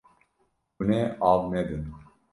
Hûn ê av nedin.